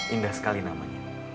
indah sekali namanya